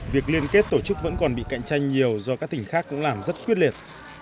việc liên kết tổ chức vẫn còn bị cạnh tranh nhiều do các tỉnh khác cũng làm rất quyết liệt